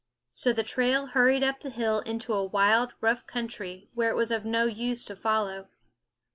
So the trail hurried up the hill into a wild, rough country where it was of no use to follow.